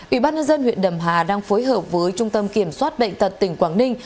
ủy ban nhân dân huyện đầm hà đang phối hợp với trung tâm kiểm soát bệnh tật tỉnh quảng ninh